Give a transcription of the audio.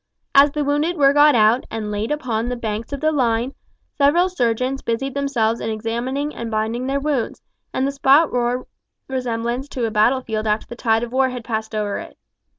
As the wounded were got out, and laid upon the banks of the line, several surgeons busied themselves in examining and binding their wounds, and the spot bore some resemblance to a battle field after the tide of war had passed over it.